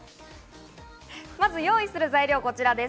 用意する材料はこちらです。